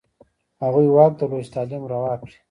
هغوی واک درلود چې تعلیم روا کړي.